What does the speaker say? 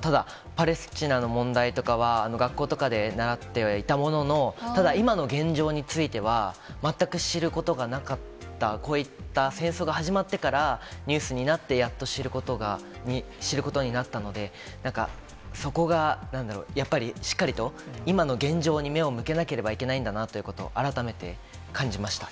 ただ、パレスチナの問題とかは、学校とかで習ってはいたものの、ただ今の現状については、全く知ることがなかった、こういった戦争が始まってからニュースになって、やっと知ることになったので、なんか、そこがなんだろう、やっぱりしっかりと、今の現状に目を向けなければいけないんだなということを、改めて感じました。